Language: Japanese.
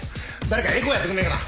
誰かエコーやってくんねえかな？